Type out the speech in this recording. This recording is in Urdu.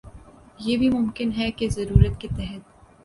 یہ بھی ممکن ہے کہہ ضرورت کے تحت